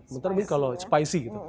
mungkin kalau spicy gitu